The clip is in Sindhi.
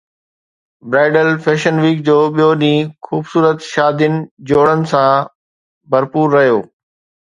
برائيڊل فيشن ويڪ جو ٻيو ڏينهن خوبصورت شادين جوڙن سان ڀرپور رهيو